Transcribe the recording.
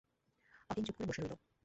অতীন চুপ করে বসে রইল।